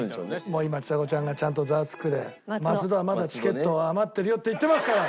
もう今ちさ子ちゃんがちゃんと『ザワつく！』で「松戸はまだチケット余ってるよ」って言ってますから！